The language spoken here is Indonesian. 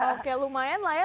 oke lumayan lah ya